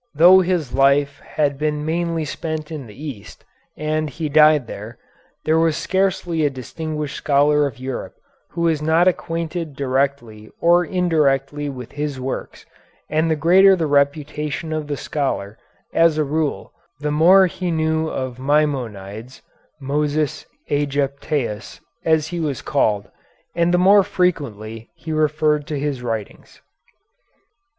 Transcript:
Though his life had been mainly spent in the East, and he died there, there was scarcely a distinguished scholar of Europe who was not acquainted directly or indirectly with his works, and the greater the reputation of the scholar, as a rule, the more he knew of Maimonides, Moses Ægyptæus, as he was called, and the more frequently he referred to his writings.